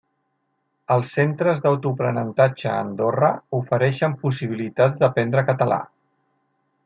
Els Centres d'Autoaprenentatge Andorra ofereixen possibilitats d'aprendre català.